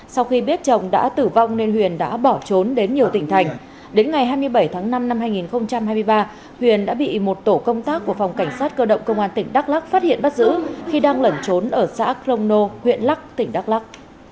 sau khi biết chồng đã tử vong nên huyền đã bỏ trốn đến nhiều tỉnh thành đến ngày hai mươi bảy tháng năm năm hai nghìn hai mươi ba huyền đã bị một tổ công tác của phòng cảnh sát cơ động công an tỉnh đắk lắc phát hiện bắt giữ khi đang lẩn trốn ở xã crono huyện lắc tỉnh đắk lắc